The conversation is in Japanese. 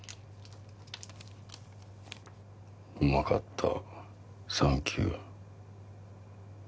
「うまかったサンキュ！」